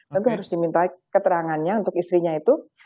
tapi harus diminta keterangannya untuk istrinya itu